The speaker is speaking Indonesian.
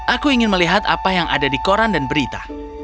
aku ingin melihat apa yang ada di koran dan berita